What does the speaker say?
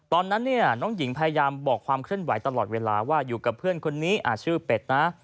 ตอนนั้นเนี่ยน้องหญิงพยายามบอกความเคลื่อนไหวตลอดเวลาว่าอยู่กับเพื่อนคนนี้ชื่อเป็ดนะ